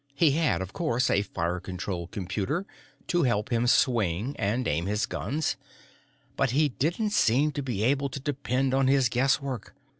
He had, of course, a fire control computer to help him swing and aim his guns, but he didn't seem to be able to depend on his guesswork.